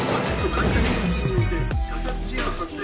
開催地付近において射殺事案発生。